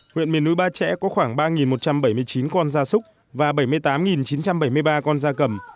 nguyện miền núi ba trẻ có khoảng ba một trăm bảy mươi chín con gia súc và bảy mươi tám chín trăm bảy mươi ba con gia cầm